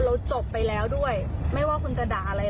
จบไปแล้วด้วยไม่ว่าคุณจะด่าอะไร